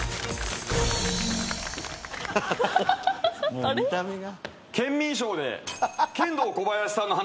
もう見た目が。